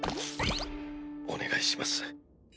お願いします。